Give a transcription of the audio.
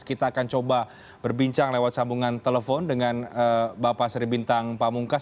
kita akan coba berbincang lewat sambungan telepon dengan bapak sri bintang pamungkas